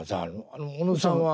あの小野さんは。